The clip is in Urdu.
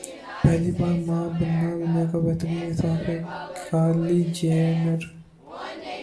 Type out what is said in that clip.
پہلی بار ماں بننا دنیا کا بہترین احساس ہے کایلی جینر